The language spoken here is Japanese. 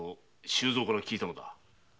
周蔵から聞いたのだ。